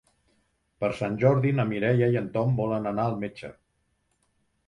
Per Sant Jordi na Mireia i en Tom volen anar al metge.